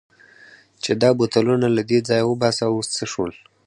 چې دا بوتلونه له دې ځایه وباسه، اوس څه شول؟